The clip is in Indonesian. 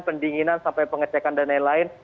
pendinginan sampai pengecekan dan lain lain